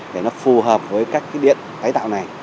để nó phù hợp với các cái điện tái tạo này